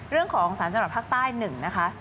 เรื่องขององศาลจำหนักภาคใต้หนึ่งนะคะ